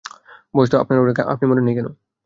বয়স তো আপনারও অনেক, আপনি মরেন নাই কেনো?